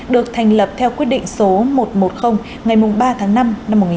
được thành lập theo quyết định số một trăm một mươi ngày ba tháng năm năm một nghìn chín trăm bảy mươi